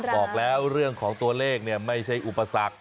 บอกแล้วเรื่องของตัวเลขไม่ใช่อุปสรรค